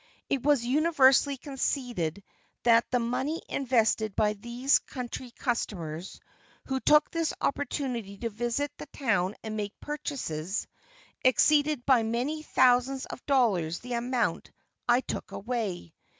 It was universally conceded that the money invested by these country customers, who took this opportunity to visit the town and make purchases, exceeded by many thousands of dollars the amount I took away.